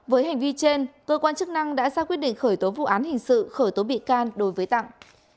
với hành vi trên cơ quan chức năng đã ra quyết định khởi tố vụ án hình sự khởi tố bị can đối với tặng